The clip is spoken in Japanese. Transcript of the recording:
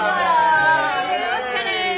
お疲れ！